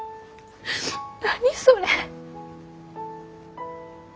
何それ。